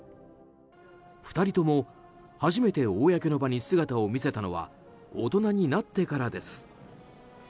２人とも初めて公の場に姿を見せたのは大人になってからです。